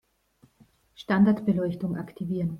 Standardbeleuchtung aktivieren